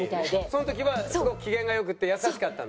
その時はすごく機嫌が良くて優しかったんだ？